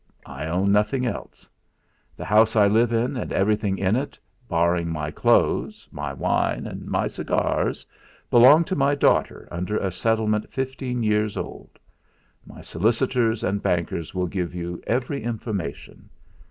I own nothing else. The house I live in, and everything in it, barring my clothes, my wine, and my cigars, belong to my daughter under a settlement fifteen years old. My solicitors and bankers will give you every information.